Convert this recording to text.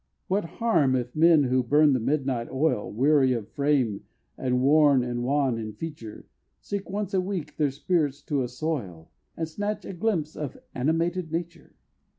What harm if men who burn the midnight oil, Weary of frame, and worn and wan in feature, Seek once a week their spirits to assoil, And snatch a glimpse of "Animated Nature"?